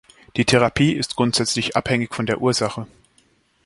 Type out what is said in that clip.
Die Therapie ist grundsätzlich abhängig von der Ursache.